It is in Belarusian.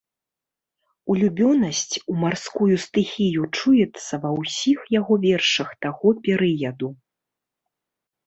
Улюбёнасць у марскую стыхію чуецца ва ўсіх яго вершах таго перыяду.